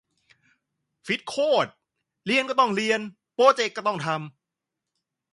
ฟิตโคตร เรียนก็ต้องเรียน โปรเจกต์ก็ต้องทำ